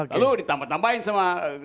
lalu ditambah tambahin sama